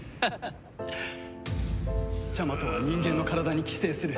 ジャマトは人間の体に寄生する。